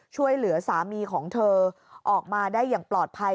ช่วยเหลือสามีของเธอออกมาได้อย่างปลอดภัย